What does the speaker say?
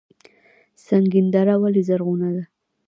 سنګین دره ولې زرغونه ده؟